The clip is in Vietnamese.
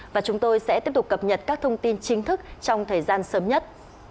và chúng tôi sẽ tiếp tục cập nhật các thông tin chính thức trong thời gian sớm nhất